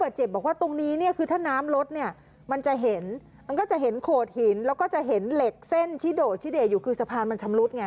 เจ็บบอกว่าตรงนี้เนี่ยคือถ้าน้ำรถเนี่ยมันจะเห็นมันก็จะเห็นโขดหินแล้วก็จะเห็นเหล็กเส้นชิโดดชิเดอยู่คือสะพานมันชำรุดไง